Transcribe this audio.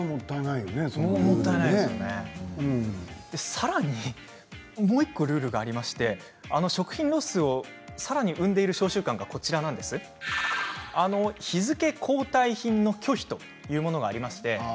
さらにもう１個ルールがありまして食品ロスを、さらに生んでいる商習慣が日付後退品の拒否というものがあります。